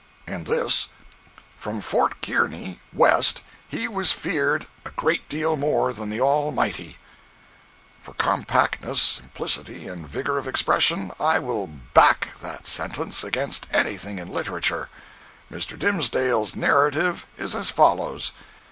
And this: "From Fort Kearney, west, he was feared A GREAT DEAL MORE THAN THE ALMIGHTY." For compactness, simplicity and vigor of expression, I will "back" that sentence against anything in literature. Mr. Dimsdale's narrative is as follows.